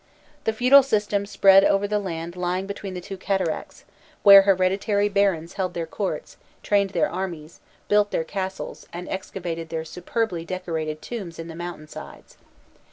The feudal system spread over the land lying between the two cataracts, where hereditary barons held their courts, trained their armies, built their castles, and excavated their superbly decorated tombs in the mountain sides.